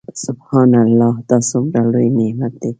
سبحان الله دا څومره لوى نعمت دى.